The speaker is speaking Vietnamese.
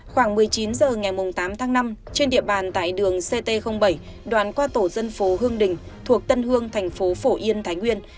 khoảng một mươi chín h ngày tám tháng năm trên địa bàn tại đường ct bảy đoạn qua tổ dân phố hương đình thuộc tân hương thành phố phổ yên thái nguyên